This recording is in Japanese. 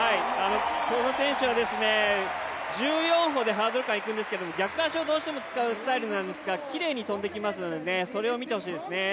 この選手は１４歩でハードル間を行くんですけれども、逆足をどうしても使うスタイルなんですがきれいに跳んできますのでそれを見てほしいですね。